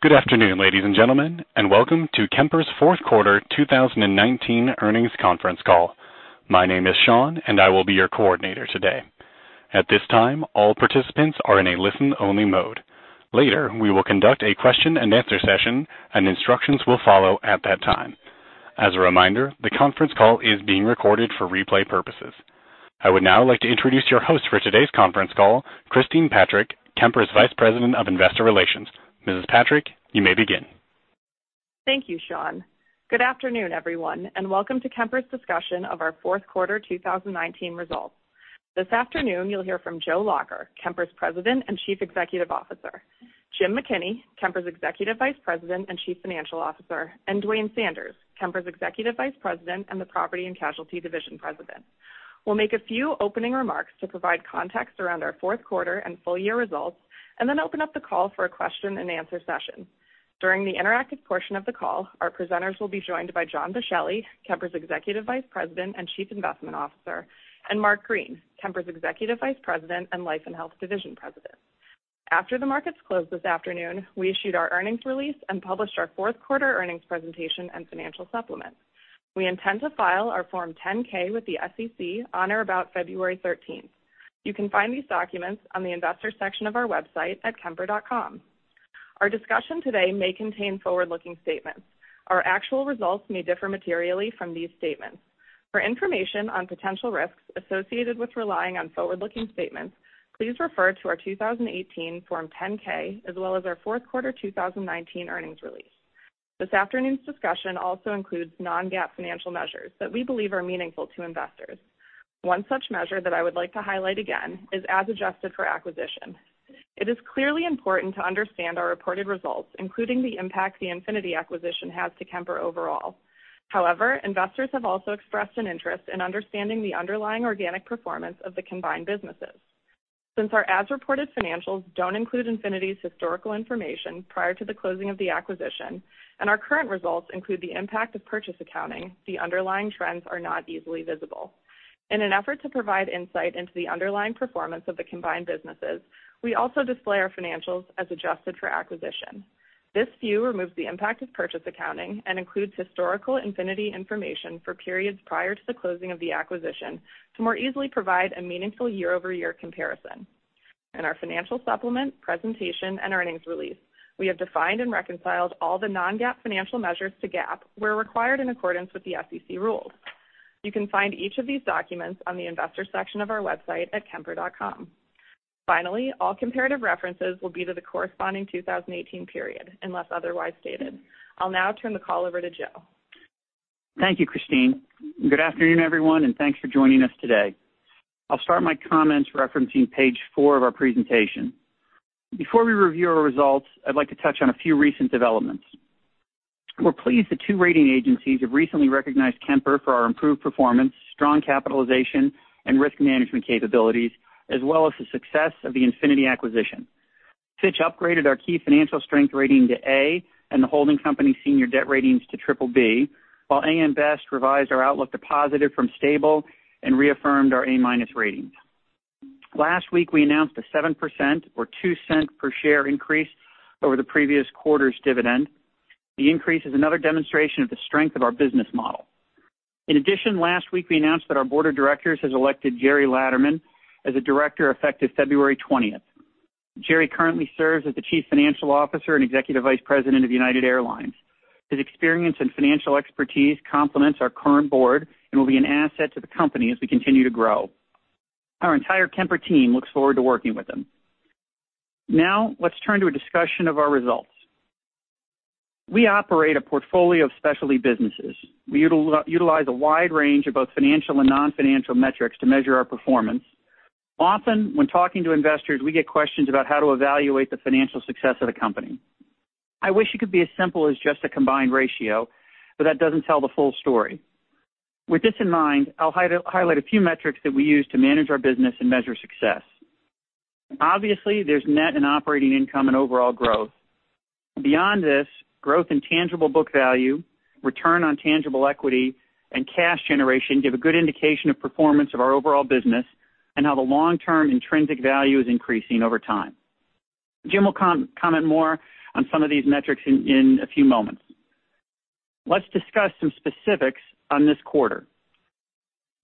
Good afternoon, ladies and gentlemen, and welcome to Kemper's fourth quarter 2019 earnings conference call. My name is Sean, and I will be your coordinator today. At this time, all participants are in a listen-only mode. Later, we will conduct a question and answer session, and instructions will follow at that time. As a reminder, the conference call is being recorded for replay purposes. I would now like to introduce your host for today's conference call, Christine Patrick, Kemper's Vice President of Investor Relations. Mrs. Patrick, you may begin. Thank you, Sean. Good afternoon, everyone, and welcome to Kemper's discussion of our fourth quarter 2019 results. This afternoon, you'll hear from Joe Lacher, Kemper's President and Chief Executive Officer; Jim McKinney, Kemper's Executive Vice President and Chief Financial Officer; and Duane Sanders, Kemper's Executive Vice President and the Property & Casualty Division President. We'll make a few opening remarks to provide context around our fourth quarter and full-year results, and then open up the call for a question and answer session. During the interactive portion of the call, our presenters will be joined by John Boschelli, Kemper's Executive Vice President and Chief Investment Officer; and Mark Green, Kemper's Executive Vice President and Life & Health Division President. After the markets closed this afternoon, we issued our earnings release and published our fourth quarter earnings presentation and financial supplement. We intend to file our Form 10-K with the SEC on or about February 13th. You can find these documents on the investor section of our website at kemper.com. Our discussion today may contain forward-looking statements. Our actual results may differ materially from these statements. For information on potential risks associated with relying on forward-looking statements, please refer to our 2018 Form 10-K as well as our fourth quarter 2019 earnings release. This afternoon's discussion also includes non-GAAP financial measures that we believe are meaningful to investors. One such measure that I would like to highlight again is as adjusted for acquisition. It is clearly important to understand our reported results, including the impact the Infinity acquisition has to Kemper overall. However, investors have also expressed an interest in understanding the underlying organic performance of the combined businesses. Since our as-reported financials don't include Infinity's historical information prior to the closing of the acquisition, and our current results include the impact of purchase accounting, the underlying trends are not easily visible. In an effort to provide insight into the underlying performance of the combined businesses, we also display our financials as adjusted for acquisition. This view removes the impact of purchase accounting and includes historical Infinity information for periods prior to the closing of the acquisition to more easily provide a meaningful year-over-year comparison. In our financial supplement, presentation, and earnings release, we have defined and reconciled all the non-GAAP financial measures to GAAP where required in accordance with the SEC rules. You can find each of these documents on the investor section of our website at kemper.com. Finally, all comparative references will be to the corresponding 2018 period unless otherwise stated. I'll now turn the call over to Joe. Thank you, Christine. Good afternoon, everyone, and thanks for joining us today. I'll start my comments referencing page four of our presentation. Before we review our results, I'd like to touch on a few recent developments. We're pleased that two rating agencies have recently recognized Kemper for our improved performance, strong capitalization, and risk management capabilities, as well as the success of the Infinity acquisition. Fitch upgraded our key financial strength rating to A, and the holding company senior debt ratings to BBB, while AM Best revised our outlook to positive from stable and reaffirmed our A-minus ratings. Last week, we announced a 7% or $0.02 per share increase over the previous quarter's dividend. The increase is another demonstration of the strength of our business model. In addition, last week we announced that our board of directors has elected Gerald Laderman as a director effective February 20th. Gerry currently serves as the Chief Financial Officer and Executive Vice President of United Airlines. His experience and financial expertise complements our current board and will be an asset to the company as we continue to grow. Our entire Kemper team looks forward to working with him. Let's turn to a discussion of our results. We operate a portfolio of specialty businesses. We utilize a wide range of both financial and non-financial metrics to measure our performance. Often, when talking to investors, we get questions about how to evaluate the financial success of the company. I wish it could be as simple as just a combined ratio, but that doesn't tell the full story. With this in mind, I'll highlight a few metrics that we use to manage our business and measure success. Obviously, there's net and operating income and overall growth. Beyond this, growth in tangible book value, return on tangible equity, and cash generation give a good indication of performance of our overall business and how the long-term intrinsic value is increasing over time. Jim will comment more on some of these metrics in a few moments. Let's discuss some specifics on this quarter.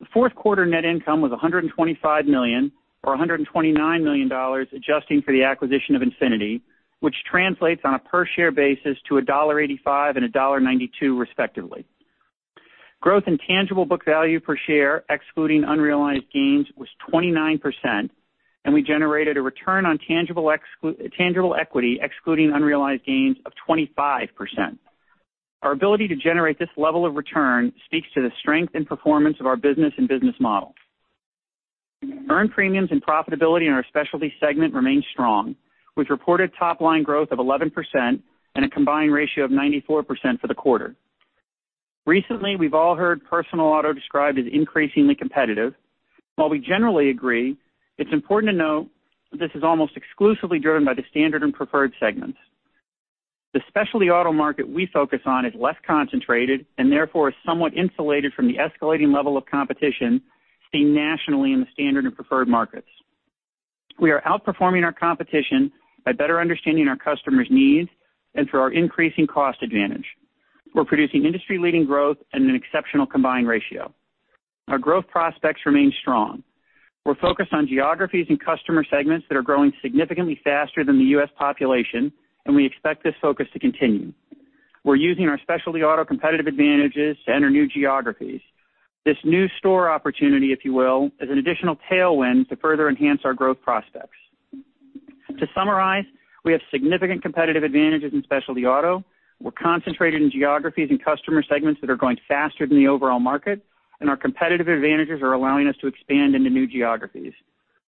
The fourth quarter net income was $125 million, or $129 million adjusting for the acquisition of Infinity, which translates on a per-share basis to $1.85 and $1.92, respectively. Growth in tangible book value per share, excluding unrealized gains, was 29%, and we generated a return on tangible equity, excluding unrealized gains, of 25%. Our ability to generate this level of return speaks to the strength and performance of our business and business model. Earned premiums and profitability in our specialty segment remain strong, with reported top-line growth of 11% and a combined ratio of 94% for the quarter. Recently, we've all heard personal auto described as increasingly competitive. While we generally agree, it's important to note that this is almost exclusively driven by the standard and preferred segments. The specialty auto market we focus on is less concentrated and therefore is somewhat insulated from the escalating level of competition seen nationally in the standard and preferred markets. We are outperforming our competition by better understanding our customers' needs and through our increasing cost advantage. We're producing industry-leading growth and an exceptional combined ratio. Our growth prospects remain strong. We're focused on geographies and customer segments that are growing significantly faster than the U.S. population, and we expect this focus to continue. We're using our specialty auto competitive advantages to enter new geographies. This new store opportunity, if you will, is an additional tailwind to further enhance our growth prospects. To summarize, we have significant competitive advantages in specialty auto. We're concentrated in geographies and customer segments that are growing faster than the overall market, and our competitive advantages are allowing us to expand into new geographies.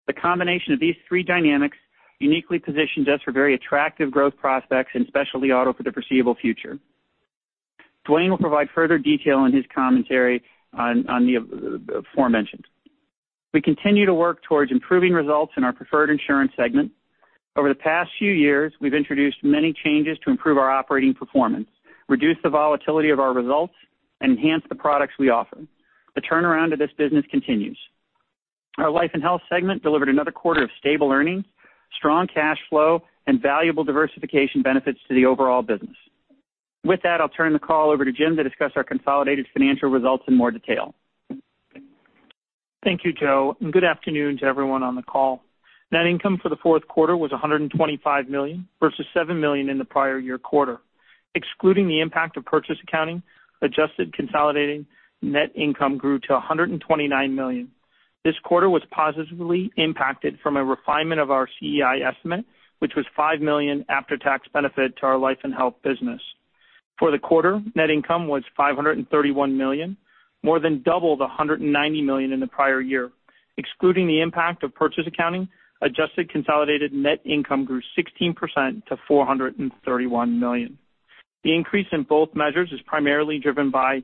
The combination of these three dynamics uniquely positions us for very attractive growth prospects in specialty auto for the foreseeable future. Duane will provide further detail in his commentary on the aforementioned. We continue to work towards improving results in our preferred insurance segment. Over the past few years, we've introduced many changes to improve our operating performance, reduce the volatility of our results, and enhance the products we offer. The turnaround of this business continues. Our Life and Health segment delivered another quarter of stable earnings, strong cash flow, and valuable diversification benefits to the overall business. With that, I'll turn the call over to Jim to discuss our consolidated financial results in more detail. Thank you, Joe. Good afternoon to everyone on the call. Net income for the fourth quarter was $125 million, versus $7 million in the prior year quarter. Excluding the impact of purchase accounting, adjusted consolidating net income grew to $129 million. This quarter was positively impacted from a refinement of our CEI estimate, which was $5 million after-tax benefit to our Life and Health business. For the quarter, net income was $531 million, more than double the $190 million in the prior year. Excluding the impact of purchase accounting, adjusted consolidated net income grew 16% to $431 million. The increase in both measures is primarily driven by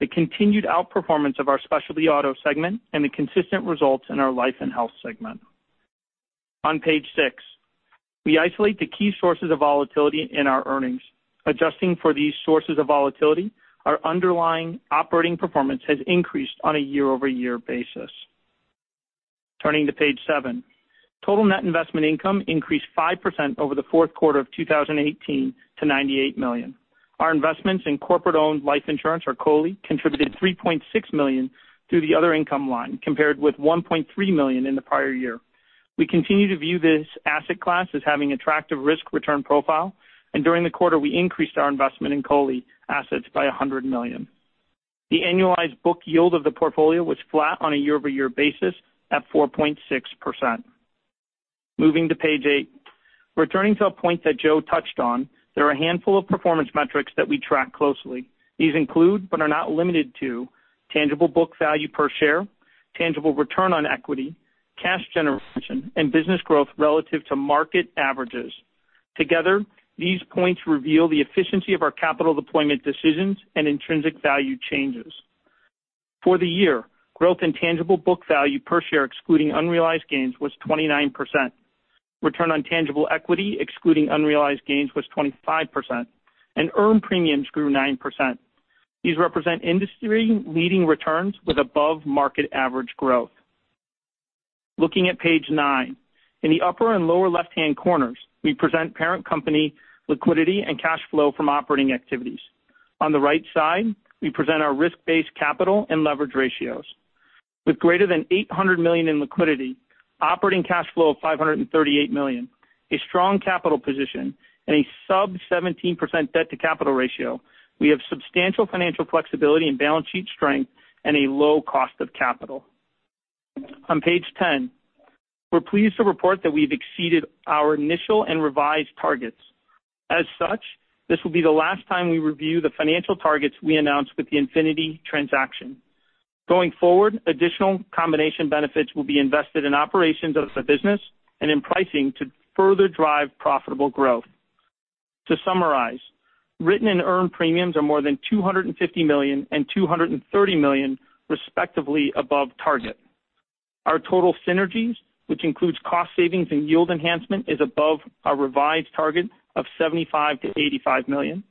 the continued outperformance of our specialty auto segment and the consistent results in our Life and Health segment. On page six, we isolate the key sources of volatility in our earnings. Adjusting for these sources of volatility, our underlying operating performance has increased on a year-over-year basis. Turning to page seven. Total net investment income increased 5% over the fourth quarter of 2018 to $98 million. Our investments in corporate-owned life insurance, or COLI, contributed $3.6 million through the other income line, compared with $1.3 million in the prior year. We continue to view this asset class as having attractive risk-return profile, and during the quarter, we increased our investment in COLI assets by $100 million. The annualized book yield of the portfolio was flat on a year-over-year basis at 4.6%. Moving to page eight. Returning to a point that Joe touched on, there are a handful of performance metrics that we track closely. These include, but are not limited to, tangible book value per share, tangible return on equity, cash generation, and business growth relative to market averages. Together, these points reveal the efficiency of our capital deployment decisions and intrinsic value changes. For the year, growth in tangible book value per share, excluding unrealized gains, was 29%. Return on tangible equity, excluding unrealized gains, was 25%. Earned premiums grew 9%. These represent industry-leading returns with above-market average growth. Looking at page nine. In the upper and lower left-hand corners, we present parent company liquidity and cash flow from operating activities. On the right side, we present our risk-based capital and leverage ratios. With greater than $800 million in liquidity, operating cash flow of $538 million, a strong capital position, and a sub 17% debt to capital ratio, we have substantial financial flexibility and balance sheet strength and a low cost of capital. On page 10, we're pleased to report that we've exceeded our initial and revised targets. As such, this will be the last time we review the financial targets we announced with the Infinity transaction. Going forward, additional combination benefits will be invested in operations of the business and in pricing to further drive profitable growth. To summarize, written and earned premiums are more than $250 million and $230 million, respectively, above target. Our total synergies, which includes cost savings and yield enhancement, is above our revised target of $75 million-$85 million.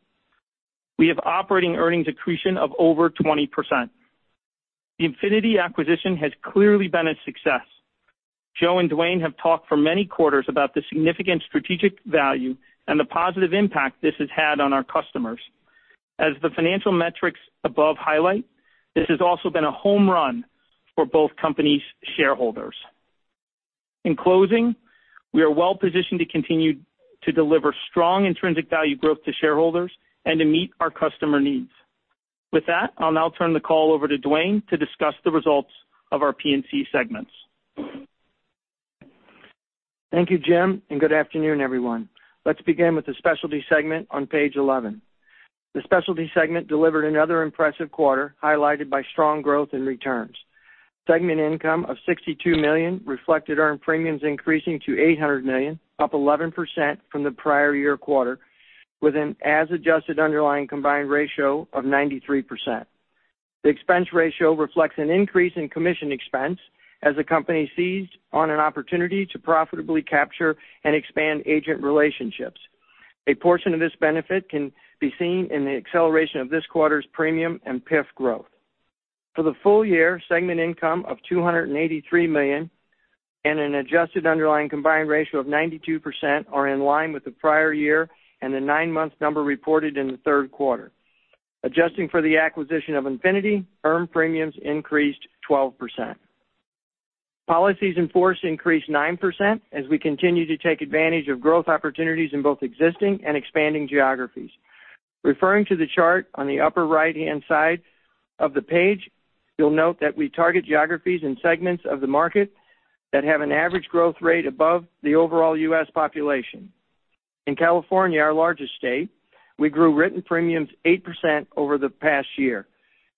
We have operating earnings accretion of over 20%. The Infinity acquisition has clearly been a success. Joe and Duane have talked for many quarters about the significant strategic value and the positive impact this has had on our customers. As the financial metrics above highlight, this has also been a home run for both companies' shareholders. In closing, we are well positioned to continue to deliver strong intrinsic value growth to shareholders and to meet our customer needs. With that, I'll now turn the call over to Duane to discuss the results of our P&C segments. Thank you, Jim, and good afternoon, everyone. Let's begin with the specialty segment on page 11. The specialty segment delivered another impressive quarter, highlighted by strong growth and returns. Segment income of $62 million reflected earned premiums increasing to $800 million, up 11% from the prior year quarter, with an as-adjusted underlying combined ratio of 93%. The expense ratio reflects an increase in commission expense as the company seized on an opportunity to profitably capture and expand agent relationships. A portion of this benefit can be seen in the acceleration of this quarter's premium and PIF growth. For the full year, segment income of $283 million and an adjusted underlying combined ratio of 92% are in line with the prior year and the nine-month number reported in the third quarter. Adjusting for the acquisition of Infinity, earned premiums increased 12%. Policies in force increased 9% as we continue to take advantage of growth opportunities in both existing and expanding geographies. Referring to the chart on the upper right-hand side of the page, you'll note that we target geographies and segments of the market that have an average growth rate above the overall U.S. population. In California, our largest state, we grew written premiums 8% over the past year.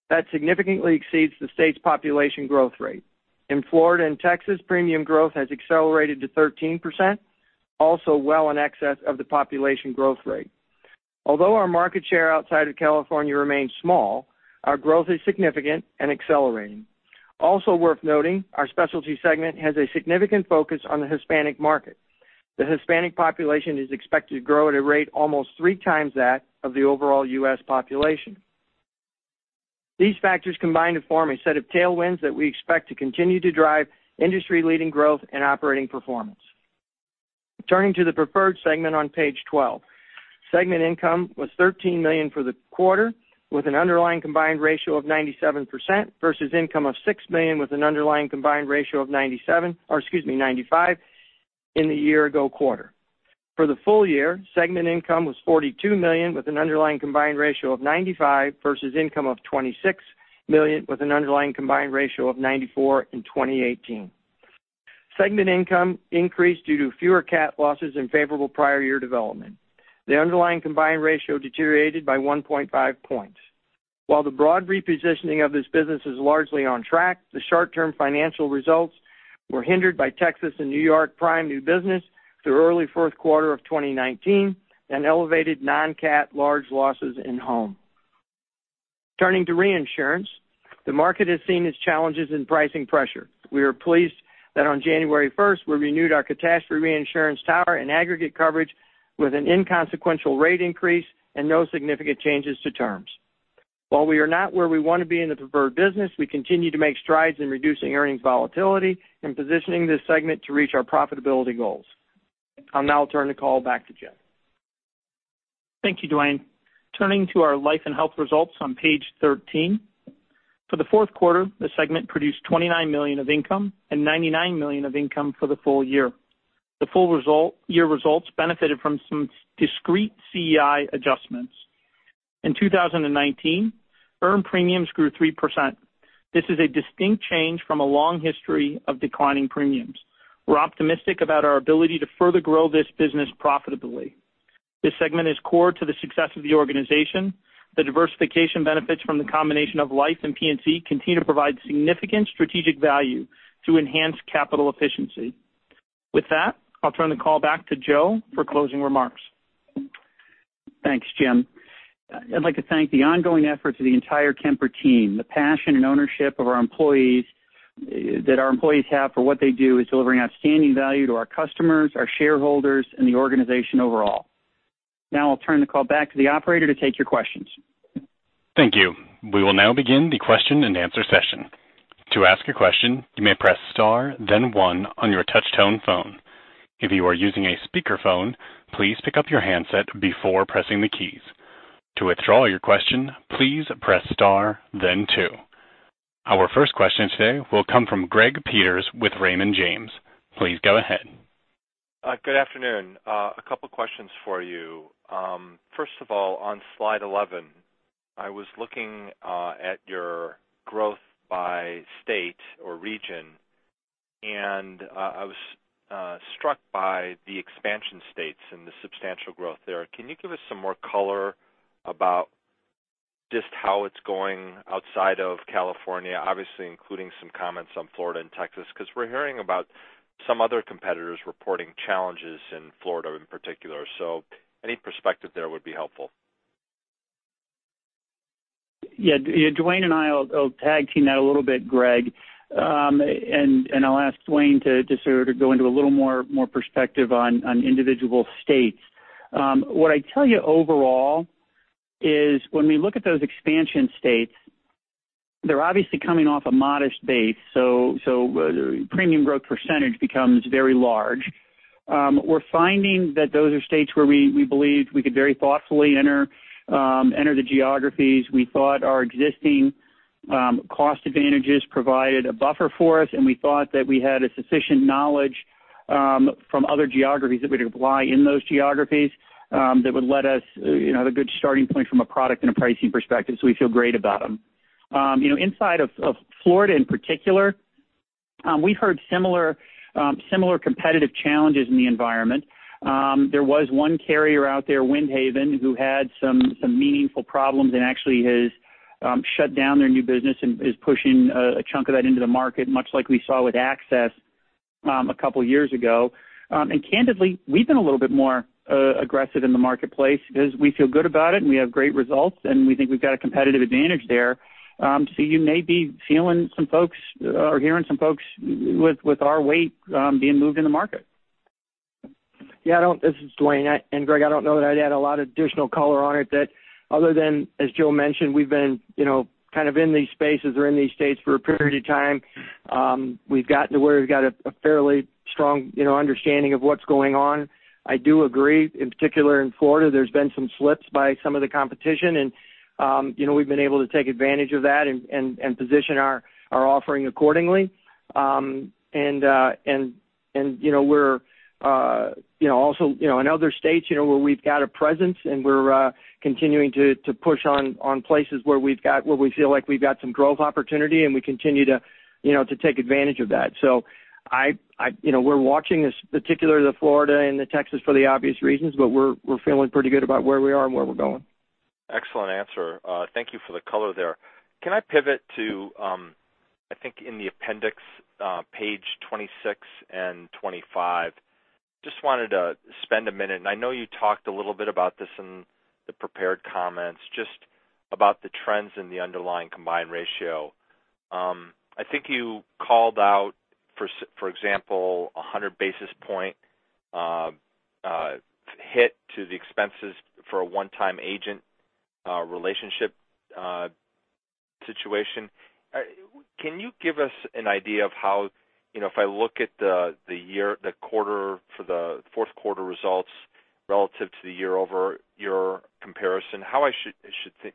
That significantly exceeds the state's population growth rate. In Florida and Texas, premium growth has accelerated to 13%, also well in excess of the population growth rate. Although our market share outside of California remains small, our growth is significant and accelerating. Also worth noting, our specialty segment has a significant focus on the Hispanic market. The Hispanic population is expected to grow at a rate almost three times that of the overall U.S. population. These factors combine to form a set of tailwinds that we expect to continue to drive industry-leading growth and operating performance. Turning to the preferred segment on page 12. Segment income was $13 million for the quarter, with an underlying combined ratio of 97%, versus income of $6 million with an underlying combined ratio of 97%, or excuse me, 95% in the year ago quarter. For the full year, segment income was $42 million with an underlying combined ratio of 95% versus income of $26 million with an underlying combined ratio of 94% in 2018. Segment income increased due to fewer cat losses and favorable prior year development. The underlying combined ratio deteriorated by 1.5 points. While the broad repositioning of this business is largely on track, the short-term financial results were hindered by Texas and New York prime new business through early fourth quarter of 2019 and elevated non-cat large losses in home. Turning to reinsurance, the market has seen its challenges in pricing pressure. We are pleased that on January 1st, we renewed our catastrophe reinsurance tower and aggregate coverage with an inconsequential rate increase and no significant changes to terms. While we are not where we want to be in the preferred business, we continue to make strides in reducing earnings volatility and positioning this segment to reach our profitability goals. I'll now turn the call back to Jim. Thank you, Duane. Turning to our life and health results on page 13. For the fourth quarter, the segment produced $29 million of income and $99 million of income for the full year. The full year results benefited from some discrete CEI adjustments. In 2019, earned premiums grew 3%. This is a distinct change from a long history of declining premiums. We're optimistic about our ability to further grow this business profitably. This segment is core to the success of the organization. The diversification benefits from the combination of life and P&C continue to provide significant strategic value through enhanced capital efficiency. With that, I'll turn the call back to Joe for closing remarks. Thanks, Jim. I'd like to thank the ongoing efforts of the entire Kemper team. The passion and ownership that our employees have for what they do is delivering outstanding value to our customers, our shareholders, and the organization overall. Now I'll turn the call back to the operator to take your questions. Thank you. We will now begin the question and answer session. To ask a question, you may press star then one on your touch tone phone. If you are using a speakerphone, please pick up your handset before pressing the keys. To withdraw your question, please press star then two. Our first question today will come from Greg Peters with Raymond James. Please go ahead. Good afternoon. A couple questions for you. First of all, on slide 11, I was looking at your growth by state or region, and I was struck by the expansion states and the substantial growth there. Can you give us some more color about just how it's going outside of California? Obviously including some comments on Florida and Texas, because we're hearing about some other competitors reporting challenges in Florida in particular. Any perspective there would be helpful. Yeah, Duane and I will tag team that a little bit, Greg, and I'll ask Duane to sort of go into a little more perspective on individual states. What I'd tell you overall is when we look at those expansion states, they're obviously coming off a modest base, premium growth percentage becomes very large. We're finding that those are states where we believed we could very thoughtfully enter the geographies. We thought our existing cost advantages provided a buffer for us, and we thought that we had a sufficient knowledge from other geographies that we could apply in those geographies that would let us have a good starting point from a product and a pricing perspective. We feel great about them. Inside of Florida in particular, we've heard similar competitive challenges in the environment. There was one carrier out there, Windhaven, who had some meaningful problems and actually has shut down their new business and is pushing a chunk of that into the market, much like we saw with Access a couple years ago. Candidly, we've been a little bit more aggressive in the marketplace because we feel good about it and we have great results, and we think we've got a competitive advantage there. You may be feeling some folks or hearing some folks with our weight being moved in the market. Yeah, this is Duane. Greg, I don't know that I'd add a lot of additional color on it other than, as Joe mentioned, we've been kind of in these spaces or in these states for a period of time. We've gotten to where we've got a fairly strong understanding of what's going on. I do agree, in particular in Florida, there's been some slips by some of the competition and we've been able to take advantage of that and position our offering accordingly. Also in other states where we've got a presence and we're continuing to push on places where we feel like we've got some growth opportunity, and we continue to take advantage of that. We're watching this, particularly the Florida and the Texas for the obvious reasons, we're feeling pretty good about where we are and where we're going. Excellent answer. Thank you for the color there. Can I pivot to, I think in the appendix, page 26 and 25. Just wanted to spend a minute, and I know you talked a little bit about this in the prepared comments, just about the trends in the underlying combined ratio. I think you called out, for example, a 100 basis point hit to the expenses for a one-time agent relationship situation. Can you give us an idea of how, if I look at the quarter for the fourth quarter results relative to the year-over-year comparison, how I should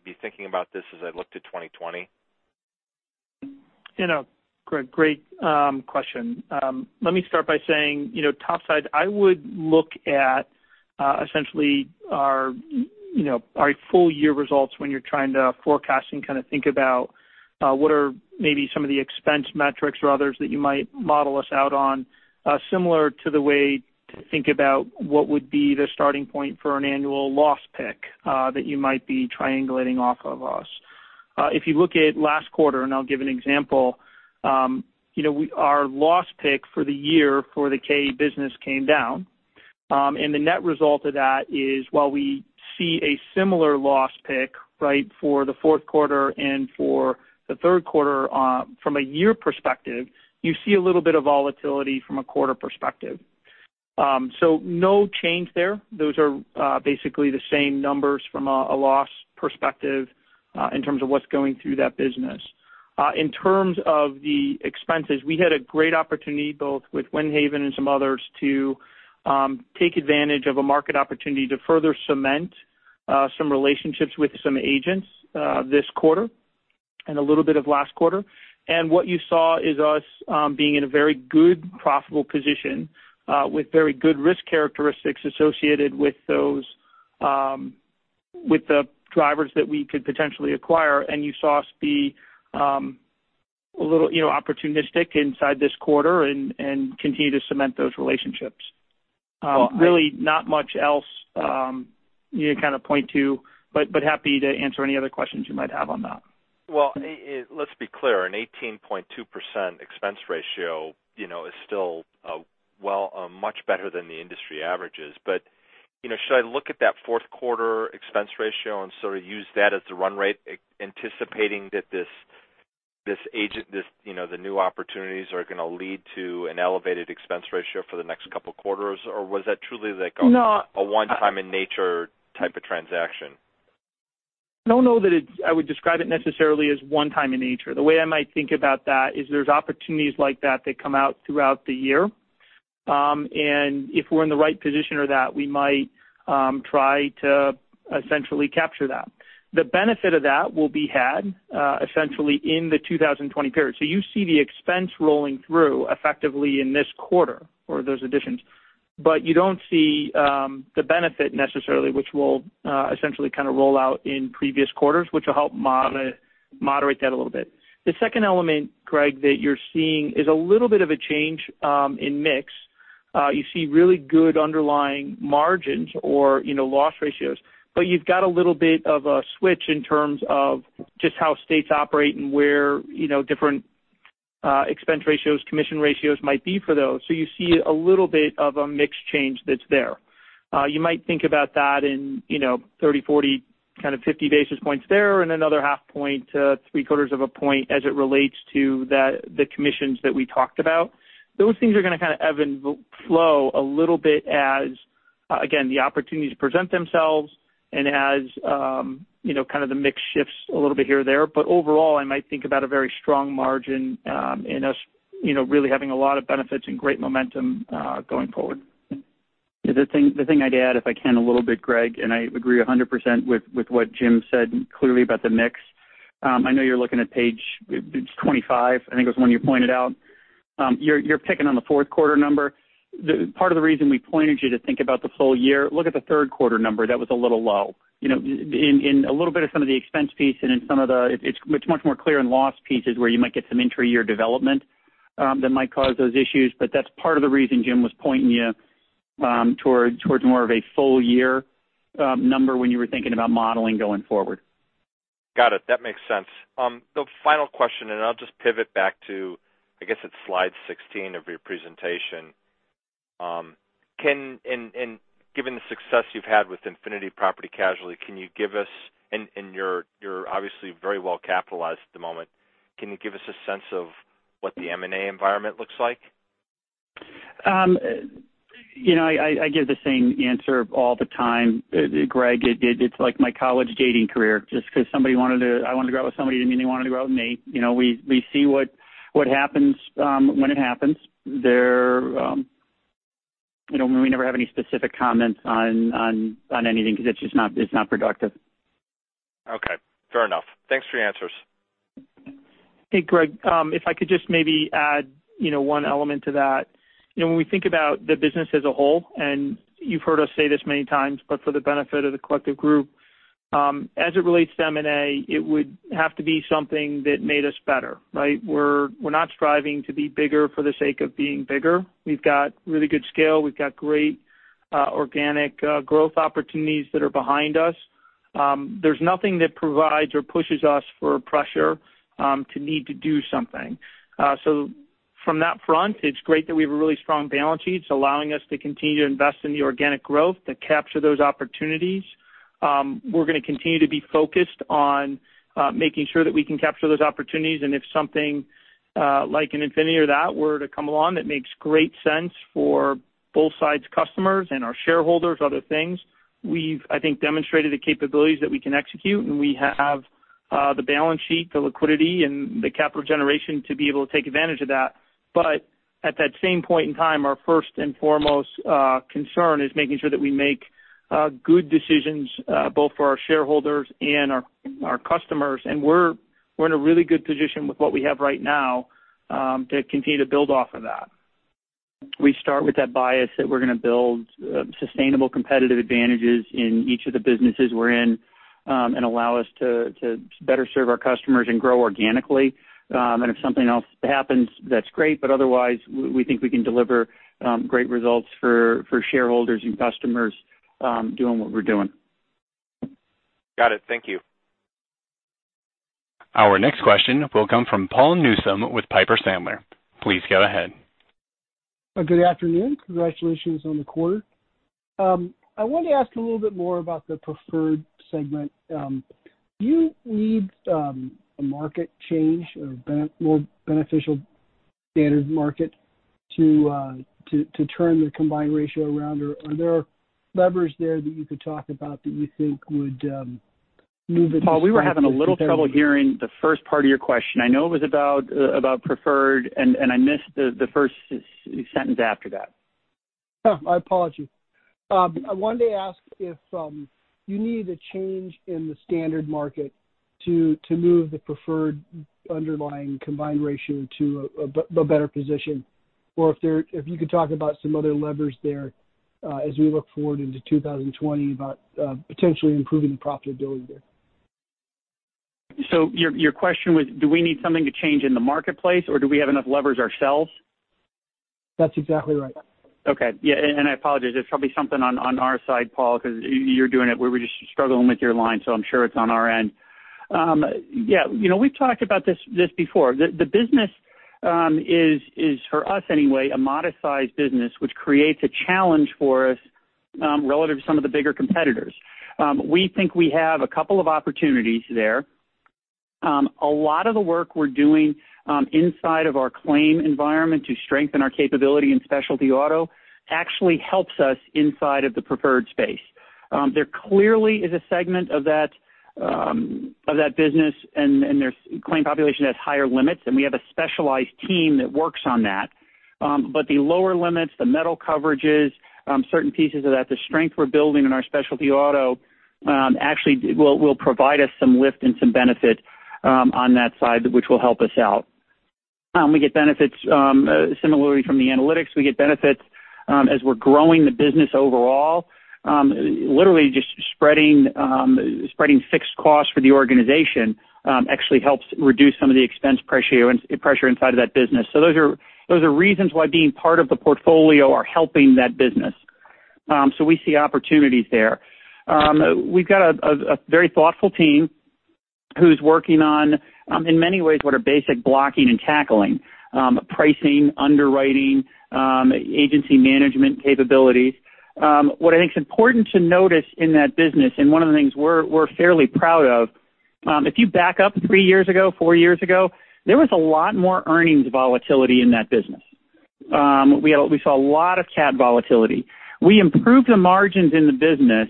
be thinking about this as I look to 2020? Greg, great question. Let me start by saying, top side, I would look at essentially our full year results when you're trying to forecast and kind of think about what are maybe some of the expense metrics or others that you might model us out on similar to the way to think about what would be the starting point for an annual loss pick that you might be triangulating off of us. If you look at last quarter, I'll give an example, our loss pick for the year for the KA business came down. The net result of that is while we see a similar loss pick for the fourth quarter and for the third quarter from a year perspective, you see a little bit of volatility from a quarter perspective. No change there. Those are basically the same numbers from a loss perspective in terms of what's going through that business. In terms of the expenses, we had a great opportunity both with Windhaven and some others to take advantage of a market opportunity to further cement some relationships with some agents this quarter and a little bit of last quarter. What you saw is us being in a very good profitable position with very good risk characteristics associated with the drivers that we could potentially acquire. You saw us be a little opportunistic inside this quarter and continue to cement those relationships. Really not much else to kind of point to, but happy to answer any other questions you might have on that. Well, let's be clear. An 18.2% expense ratio is still much better than the industry averages. Should I look at that fourth quarter expense ratio and sort of use that as the run rate, anticipating that the new opportunities are going to lead to an elevated expense ratio for the next couple of quarters? Or was that truly like a one-time in nature type of transaction? No, I don't know that I would describe it necessarily as one time in nature. The way I might think about that is there's opportunities like that that come out throughout the year. If we're in the right position or that we might try to essentially capture that. The benefit of that will be had essentially in the 2020 period. You see the expense rolling through effectively in this quarter for those additions. You don't see the benefit necessarily, which will essentially kind of roll out in previous quarters, which will help moderate that a little bit. The second element, Greg, that you're seeing is a little bit of a change in mix. You see really good underlying margins or loss ratios, but you've got a little bit of a switch in terms of just how states operate and where different expense ratios, commission ratios might be for those. You see a little bit of a mix change that's there. You might think about that in 30, 40, kind of 50 basis points there and another half point to three quarters of a point as it relates to the commissions that we talked about. Those things are going to kind of ebb and flow a little bit as, again, the opportunities present themselves and as kind of the mix shifts a little bit here or there. Overall, I might think about a very strong margin and us really having a lot of benefits and great momentum going forward. The thing I'd add, if I can a little bit, Greg, and I agree 100% with what Jim said clearly about the mix. I know you're looking at page 25, I think it was the one you pointed out. You're picking on the fourth quarter number. Part of the reason we pointed you to think about the full year, look at the third quarter number, that was a little low. In a little bit of some of the expense piece and it's much more clear in loss pieces where you might get some intra-year development that might cause those issues. That's part of the reason Jim was pointing you towards more of a full year number when you were thinking about modeling going forward. Got it. That makes sense. The final question, and I'll just pivot back to, I guess it's slide 16 of your presentation. Given the success you've had with Infinity Property Casualty, and you're obviously very well capitalized at the moment, can you give us a sense of what the M&A environment looks like? I give the same answer all the time, Greg. It's like my college dating career. Just because I wanted to go out with somebody didn't mean they wanted to go out with me. We see what happens when it happens. We never have any specific comments on anything because it's not productive. Okay, fair enough. Thanks for your answers. Hey, Greg. If I could just maybe add one element to that. When we think about the business as a whole, and you've heard us say this many times, but for the benefit of the collective group, as it relates to M&A, it would have to be something that made us better, right? We're not striving to be bigger for the sake of being bigger. We've got really good scale. We've got great organic growth opportunities that are behind us. There's nothing that provides or pushes us for pressure to need to do something. From that front, it's great that we have a really strong balance sheet. It's allowing us to continue to invest in the organic growth to capture those opportunities. We're going to continue to be focused on making sure that we can capture those opportunities, and if something like an Infinity or that were to come along, that makes great sense for both sides' customers and our shareholders, other things. We've, I think, demonstrated the capabilities that we can execute, and we have the balance sheet, the liquidity, and the capital generation to be able to take advantage of that. At that same point in time, our first and foremost concern is making sure that we make good decisions, both for our shareholders and our customers. We're in a really good position with what we have right now to continue to build off of that. We start with that bias that we're going to build sustainable competitive advantages in each of the businesses we're in and allow us to better serve our customers and grow organically. If something else happens, that's great. Otherwise, we think we can deliver great results for shareholders and customers doing what we're doing. Got it. Thank you. Our next question will come from Paul Newsome with Piper Sandler. Please go ahead. Good afternoon. Congratulations on the quarter. I wanted to ask a little bit more about the preferred segment. Do you need a market change or more beneficial standard market to turn the combined ratio around? Are there levers there that you could talk about that you think would move it? Paul, we were having a little trouble hearing the first part of your question. I know it was about preferred, and I missed the first sentence after that. Oh, my apologies. I wanted to ask if you need a change in the standard market to move the preferred underlying combined ratio to a better position, or if you could talk about some other levers there as we look forward into 2020 about potentially improving the profitability there. Your question was, do we need something to change in the marketplace, or do we have enough levers ourselves? That's exactly right. Okay. Yeah, I apologize. There's probably something on our side, Paul, because you're doing it. We were just struggling with your line, so I'm sure it's on our end. Yeah. We've talked about this before. The business is, for us anyway, a modest-sized business, which creates a challenge for us relative to some of the bigger competitors. We think we have a couple of opportunities there. A lot of the work we're doing inside of our claim environment to strengthen our capability in specialty auto actually helps us inside of the preferred space. There clearly is a segment of that business, and their claim population has higher limits, and we have a specialized team that works on that. The lower limits, the metal coverages, certain pieces of that, the strength we're building in our specialty auto actually will provide us some lift and some benefit on that side, which will help us out. We get benefits similarly from the analytics. We get benefits as we're growing the business overall. Literally just spreading fixed costs for the organization actually helps reduce some of the expense pressure inside of that business. Those are reasons why being part of the portfolio are helping that business. We see opportunities there. We've got a very thoughtful team who's working on, in many ways, what are basic blocking and tackling, pricing, underwriting, agency management capabilities. What I think is important to notice in that business, and one of the things we're fairly proud of, if you back up three years ago, four years ago, there was a lot more earnings volatility in that business. We saw a lot of cat volatility. We improved the margins in the business,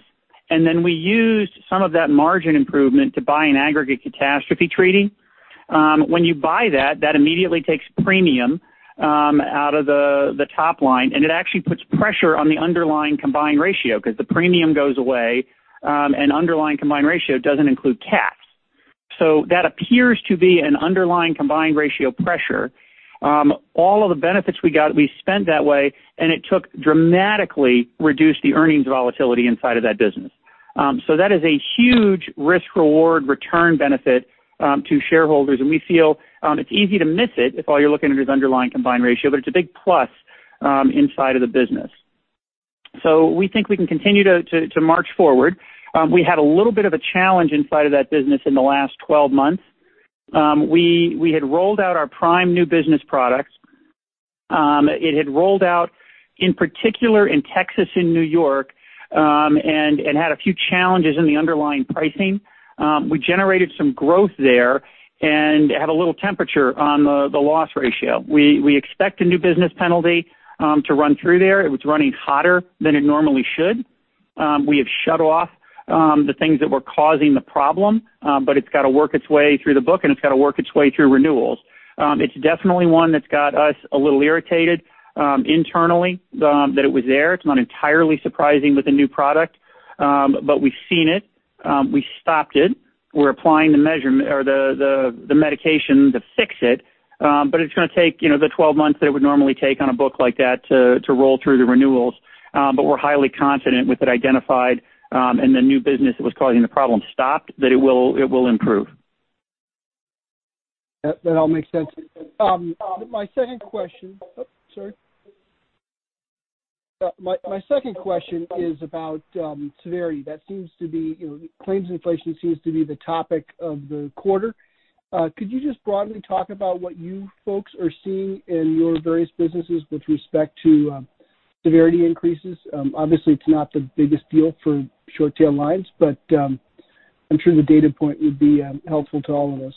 and then we used some of that margin improvement to buy an aggregate catastrophe treaty. When you buy that immediately takes premium out of the top line, and it actually puts pressure on the underlying combined ratio because the premium goes away, and underlying combined ratio doesn't include cats. That appears to be an underlying combined ratio pressure. All of the benefits we got, we spent that way, and it took dramatically reduce the earnings volatility inside of that business. That is a huge risk-reward return benefit to shareholders, and we feel it's easy to miss it if all you're looking at is underlying combined ratio, but it's a big plus inside of the business. We think we can continue to march forward. We had a little bit of a challenge inside of that business in the last 12 months. We had rolled out our prime new business products It had rolled out in particular in Texas and New York, and had a few challenges in the underlying pricing. We generated some growth there and had a little temperature on the loss ratio. We expect a new business penalty to run through there. It was running hotter than it normally should. We have shut off the things that were causing the problem, it's got to work its way through the book, and it's got to work its way through renewals. It's definitely one that's got us a little irritated internally that it was there. It's not entirely surprising with a new product. We've seen it. We stopped it. We're applying the medication to fix it. It's going to take the 12 months that it would normally take on a book like that to roll through the renewals. We're highly confident with it identified, and the new business that was causing the problem stopped, that it will improve. That all makes sense. My second question. Oh, sorry. My second question is about severity. Claims inflation seems to be the topic of the quarter. Could you just broadly talk about what you folks are seeing in your various businesses with respect to severity increases? Obviously, it's not the biggest deal for short-tail lines, but I'm sure the data point would be helpful to all of us.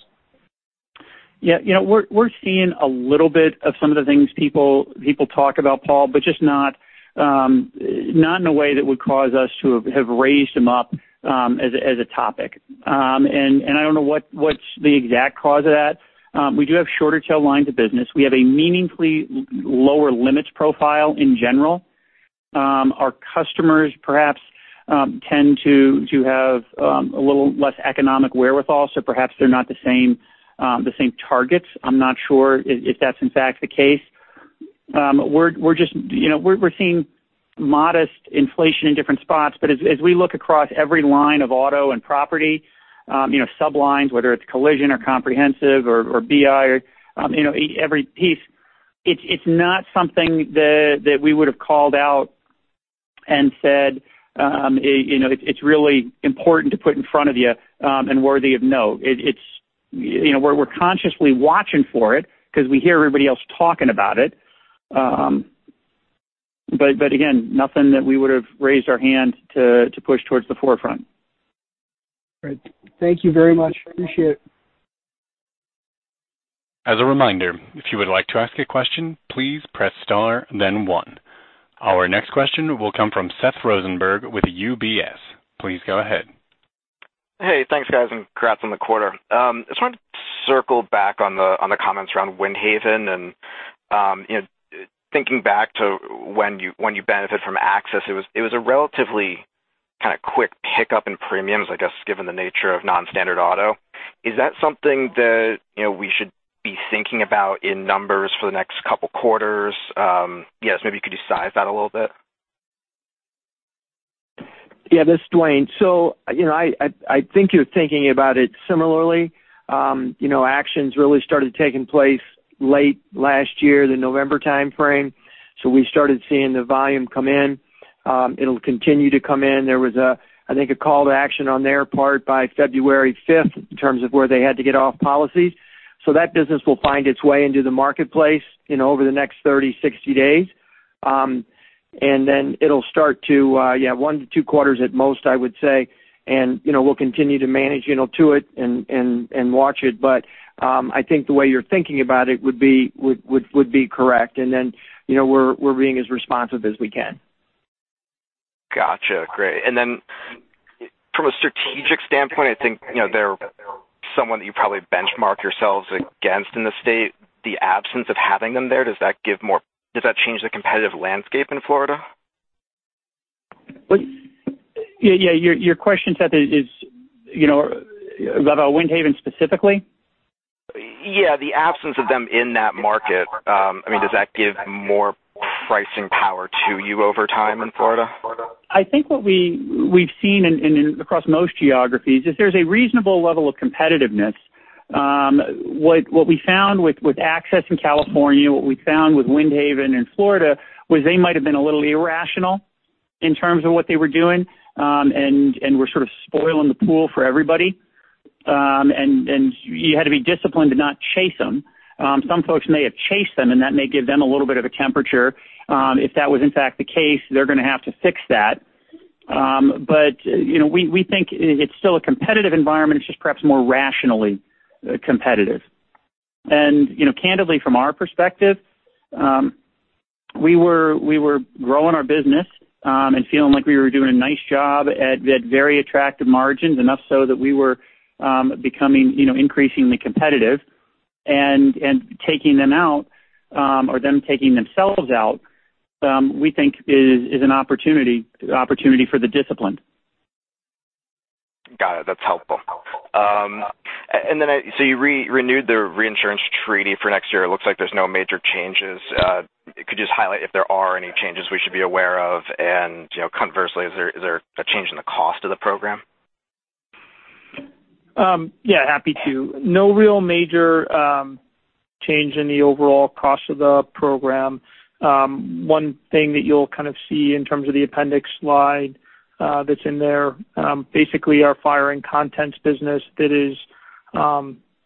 Yeah. We're seeing a little bit of some of the things people talk about, Paul, but just not in a way that would cause us to have raised them up as a topic. I don't know what's the exact cause of that. We do have shorter tail lines of business. We have a meaningfully lower limits profile in general. Our customers perhaps tend to have a little less economic wherewithal, so perhaps they're not the same targets. I'm not sure if that's in fact the case. We're seeing modest inflation in different spots, but as we look across every line of auto and property, sub-lines, whether it's collision or comprehensive or BI, every piece, it's not something that we would've called out and said, "It's really important to put in front of you and worthy of note." We're consciously watching for it because we hear everybody else talking about it. Again, nothing that we would've raised our hand to push towards the forefront. Great. Thank you very much. Appreciate it. As a reminder, if you would like to ask a question, please press star and then one. Our next question will come from Seth Rosenberg with UBS. Please go ahead. Hey, thanks, guys, and congrats on the quarter. I just wanted to circle back on the comments around Windhaven, thinking back to when you benefited from Access, it was a relatively quick pickup in premiums, I guess, given the nature of non-standard auto. Is that something that we should be thinking about in numbers for the next couple of quarters? Yes, maybe you could size that a little bit. Yeah, this is Duane. I think you're thinking about it similarly. Actions really started taking place late last year, the November timeframe. We started seeing the volume come in. It'll continue to come in. There was, I think, a call to action on their part by February 5th in terms of where they had to get off policies. That business will find its way into the marketplace over the next 30, 60 days. It'll start to, one to two quarters at most, I would say. We'll continue to manage to it and watch it. I think the way you're thinking about it would be correct, we're being as responsive as we can. Got you. Great. From a strategic standpoint, I think they're someone that you probably benchmark yourselves against in the state. The absence of having them there, does that change the competitive landscape in Florida? Yeah. Your question, Seth, is about Windhaven specifically? Yeah, the absence of them in that market, does that give more pricing power to you over time in Florida? I think what we've seen across most geographies is there's a reasonable level of competitiveness. What we found with Access in California, what we found with Windhaven in Florida, was they might've been a little irrational in terms of what they were doing, and were sort of spoiling the pool for everybody. You had to be disciplined to not chase them. Some folks may have chased them, and that may give them a little bit of a temperature. If that was in fact the case, they're going to have to fix that. We think it's still a competitive environment. It's just perhaps more rationally competitive. Candidly, from our perspective, we were growing our business and feeling like we were doing a nice job at very attractive margins, enough so that we were becoming increasingly competitive. Taking them out, or them taking themselves out, we think is an opportunity for the discipline. Got it. That's helpful. You renewed the reinsurance treaty for next year. It looks like there's no major changes. Could you just highlight if there are any changes we should be aware of? Conversely, is there a change in the cost of the program? Yeah, happy to. No real major change in the overall cost of the program. One thing that you'll see in terms of the appendix slide that's in there, basically our fire and contents business that is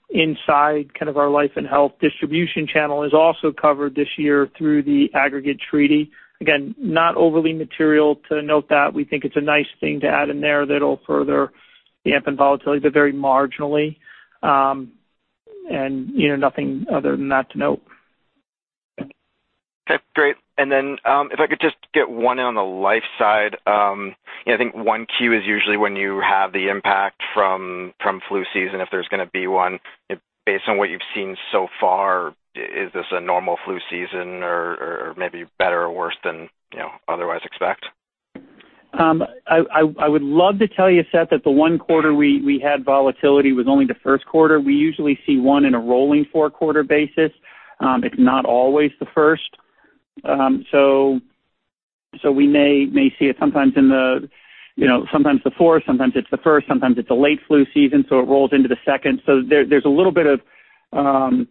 Inside kind of our life and health distribution channel is also covered this year through the aggregate treaty. Again, not overly material to note that. We think it's a nice thing to add in there that'll further dampen volatility, but very marginally. Nothing other than that to note. Okay, great. If I could just get one on the life side. I think 1Q is usually when you have the impact from flu season, if there's going to be one. Based on what you've seen so far, is this a normal flu season or maybe better or worse than otherwise expect? I would love to tell you, Seth, that the one quarter we had volatility was only the first quarter. We usually see one in a rolling four-quarter basis. It is not always the first. We may see it sometimes in the fourth, sometimes it is the first, sometimes it is a late flu season, so it rolls into the second. There is a little bit of noise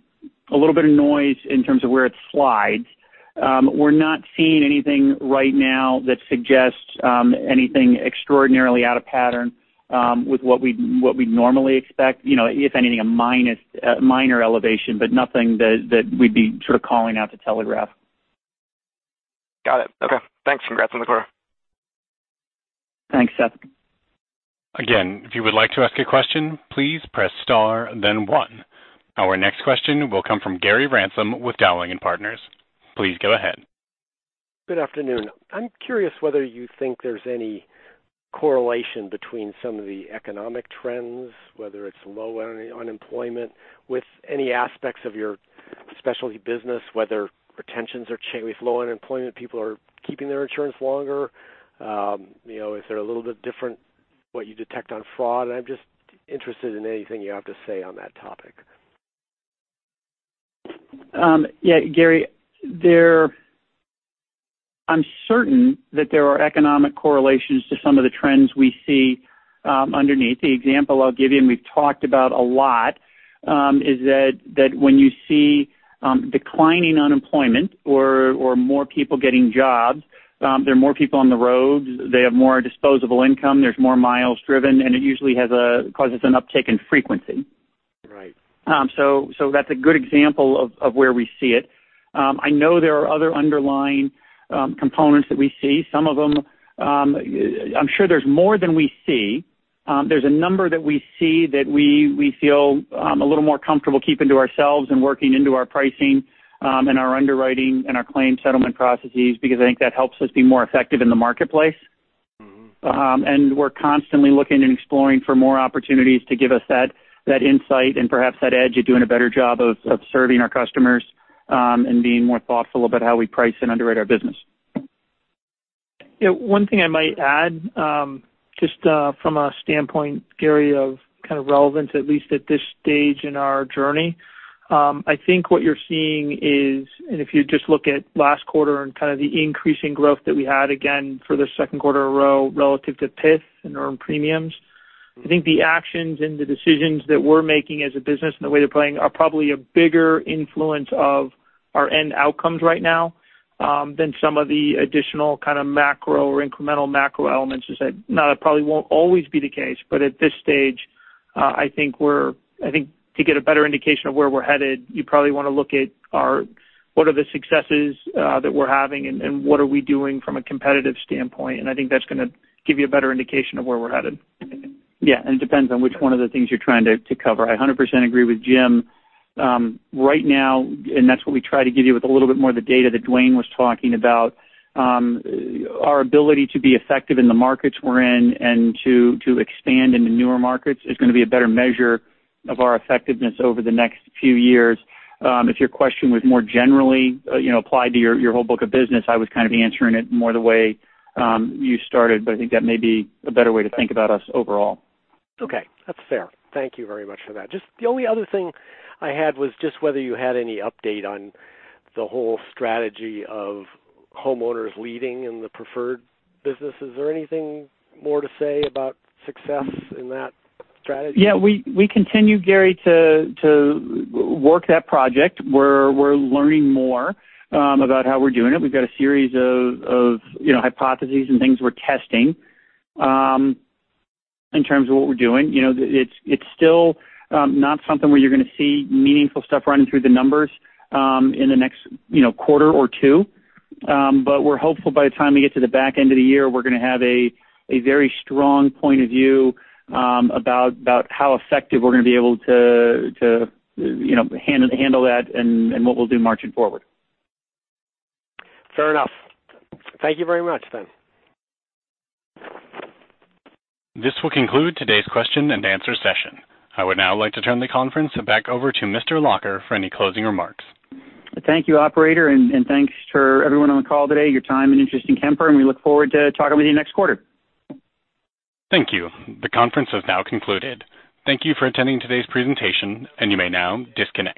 in terms of where it slides. We are not seeing anything right now that suggests anything extraordinarily out of pattern, with what we would normally expect. If anything, a minor elevation, but nothing that we would be sort of calling out to telegraph. Got it. Okay. Thanks, congrats on the quarter. Thanks, Seth. Again, if you would like to ask a question, please press star then one. Our next question will come from Gary Ransom with Dowling & Partners. Please go ahead. Good afternoon. I'm curious whether you think there's any correlation between some of the economic trends, whether it's low unemployment, with any aspects of your specialty business, whether retentions are changing with low unemployment, people are keeping their insurance longer? Is there a little bit different, what you detect on fraud? I'm just interested in anything you have to say on that topic. Yeah, Gary, I'm certain that there are economic correlations to some of the trends we see underneath. The example I'll give you, and we've talked about a lot, is that when you see declining unemployment or more people getting jobs, there are more people on the roads, they have more disposable income, there's more miles driven, and it usually causes an uptick in frequency. Right. That's a good example of where we see it. I know there are other underlying components that we see. I'm sure there's more than we see. There's a number that we see that we feel a little more comfortable keeping to ourselves and working into our pricing and our underwriting and our claim settlement processes, because I think that helps us be more effective in the marketplace. We're constantly looking and exploring for more opportunities to give us that insight and perhaps that edge of doing a better job of serving our customers, and being more thoughtful about how we price and underwrite our business. One thing I might add, just from a standpoint, Gary, of kind of relevance, at least at this stage in our journey. I think what you're seeing is, and if you just look at last quarter and kind of the increasing growth that we had, again, for the second quarter a row relative to PIF and earned premiums. I think the actions and the decisions that we're making as a business and the way they're playing are probably a bigger influence of our end outcomes right now, than some of the additional kind of macro or incremental macro elements is that now that probably won't always be the case, but at this stage, I think to get a better indication of where we're headed, you probably want to look at what are the successes that we're having and what are we doing from a competitive standpoint. I think that's going to give you a better indication of where we're headed. Yeah, it depends on which one of the things you're trying to cover. I 100% agree with Jim. Right now, that's what we try to give you with a little bit more of the data that Duane was talking about. Our ability to be effective in the markets we're in and to expand into newer markets is going to be a better measure of our effectiveness over the next few years. If your question was more generally applied to your whole book of business, I was kind of answering it more the way you started, but I think that may be a better way to think about us overall. Okay. That's fair. Thank you very much for that. Just the only other thing I had was just whether you had any update on the whole strategy of homeowners leading in the preferred business. Is there anything more to say about success in that strategy? Yeah. We continue, Gary, to work that project. We're learning more about how we're doing it. We've got a series of hypotheses and things we're testing, in terms of what we're doing. It's still not something where you're going to see meaningful stuff running through the numbers in the next quarter or two. We're hopeful by the time we get to the back end of the year, we're going to have a very strong point of view, about how effective we're going to be able to handle that and what we'll do marching forward. Fair enough. Thank you very much then. This will conclude today's question and answer session. I would now like to turn the conference back over to Mr. Lacher for any closing remarks. Thank you, operator, thanks for everyone on the call today, your time and interest in Kemper, we look forward to talking with you next quarter. Thank you. The conference has now concluded. Thank you for attending today's presentation. You may now disconnect.